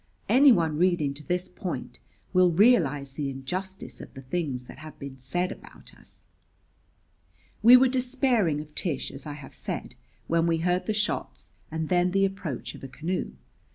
Any one reading to this point will realize the injustice of the things that have been said about us. We were despairing of Tish, as I have said, when we heard the shots and then the approach of a canoe.